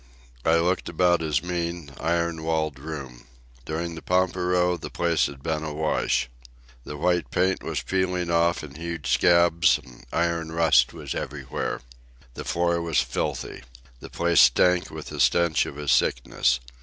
I looked about his mean, iron walled room. During the pampero the place had been awash. The white paint was peeling off in huge scabs, and iron rust was everywhere. The floor was filthy. The place stank with the stench of his sickness.